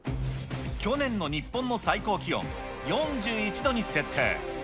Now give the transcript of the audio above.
去年の日本の最高気温４１度に設定。